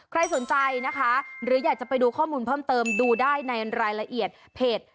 ใครสนใจนะคะหรืออยากจะไปดูข้อมูลเพิ่มเติมดูได้ในรายละเอียดเพจ